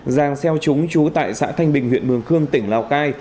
giang xeo chúng trú tại xã thanh bình huyện mường khương tỉnh lào cai